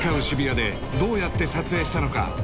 渋谷でどうやって撮影したのか？